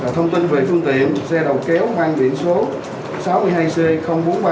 thông tin về phương tiện xe đầu kéo mang biển số sáu mươi hai c bốn nghìn ba trăm bốn mươi tám